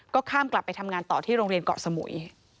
ก็ข้ามกลับไปทำงานต่อที่โรงเรียนเกาะสมุย